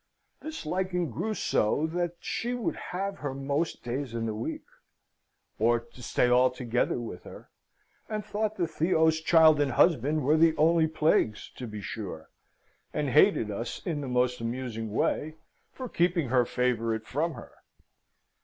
This liking grew so that she would have her most days in the week, or to stay altogether with her, and thought that Theo's child and husband were only plagues to be sure, and hated us in the most amusing way for keeping her favourite from her.